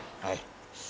はい。